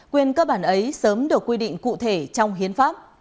quyền cơ bản ấy sớm được quy định cụ thể trong hiến pháp